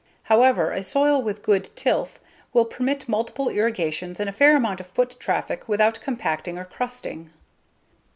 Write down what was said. However, a soil with good tilth will permit multiple irrigations and a fair amount of foot traffic without compacting or crusting.